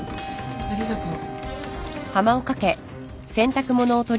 ありがとう。